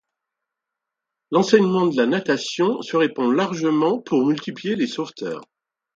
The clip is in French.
L'enseignement de la natation se répand largement pour multiplier les sauveteurs.